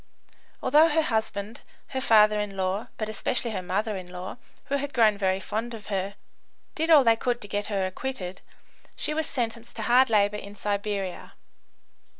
Although her husband, her father in law, but especially her mother in law, who had grown very fond of her, did all they could to get her acquitted, she was sentenced to hard labour in Siberia.